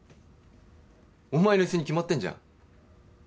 お前のイスに決まってんじゃん